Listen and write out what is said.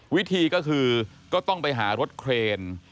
วิธีก็คือก็ต้องไปหารถเครน